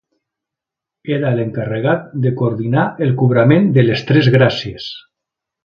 Era l’encarregat de coordinar el cobrament de les tres gràcies.